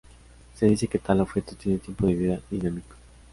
Se dice que tal objeto tiene "tiempo de vida dinámico".